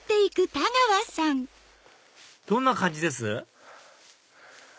どんな感じです？